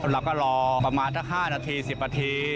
เราก็รอประมาณสัก๕นาที๑๐นาที